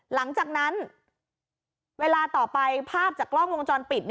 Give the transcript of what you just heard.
หลังจากนั้นเวลาต่อไปภาพจากกล้องวงจรปิด